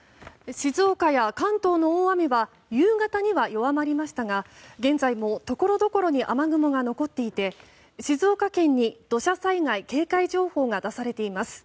静岡や関東の大雨は夕方には弱まりましたが現在もところどころに雨雲が残っていて静岡県に土砂災害警戒情報が出されています。